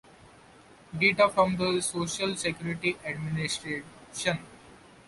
Data from the Social Security Administration.